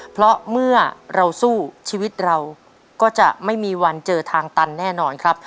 เพราะเมื่อเราสู้ชีวิตเราก็จะไม่มีวันเจอทางตันแน่นอนครับ